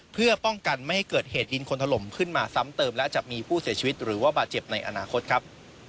เพื่อป้องกันไม่ให้เกิดเหตุดินคนถล่มขึ้นมาซ้ำเติมและจะมีผู้เสียชีวิตหรือว่าบาดเจ็บในอนาคตครับ